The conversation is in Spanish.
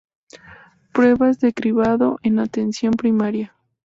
Pruebas de cribado en Atención Primaria.